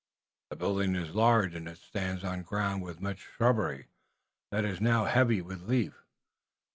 The building is large, and it stands on ground with much shrubbery that is now heavy with leaf.